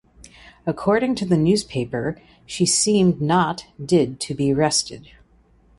According to the newspaper she seemed not did to be rested.